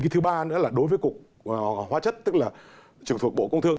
thứ ba nữa là đối với cục hoa chất tức là trường thuộc bộ công thương